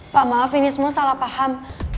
pak maaf ini semua salah paham